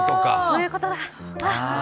そういうことだ。